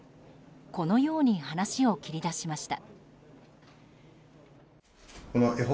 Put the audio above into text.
このように話を切り出しました。